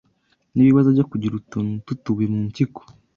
n’ibibazo byo kugira utuntu tw’utubuye mu mpyiko